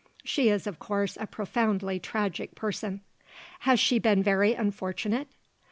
She is, of course, a profoundly tragic person." "Has she been very unfortunate?"